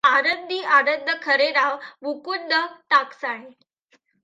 आनंदीआनंद खरे नाव मुकुंद टाकसाळे